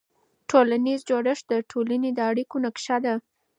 ټولنیز جوړښت د ټولنې د اړیکو نقشه ده.